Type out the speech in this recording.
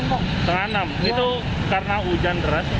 tengah tengah itu karena hujan deras